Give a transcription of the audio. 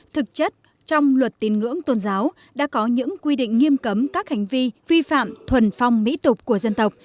thực chất trong luật tin ngưỡng tôn giáo đã có những quy định nghiêm cấm các hành vi vi phạm thuần phong mỹ tục của dân tộc